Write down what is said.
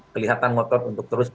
kelihatan ngotot untuk terus